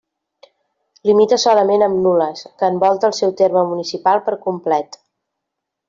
Limita solament amb Nules, que envolta el seu terme municipal per complet.